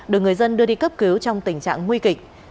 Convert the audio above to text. được người dân đưa đi cấp cứu trong tình trạng nguy kịch